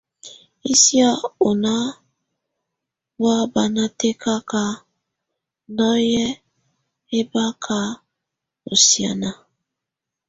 Ɛsɛ̀á ɔ́ ná bɔ̀á bɔ̀ána tɛkaka, nɔyɛ ɛbaka ɔ̀ sianɛna.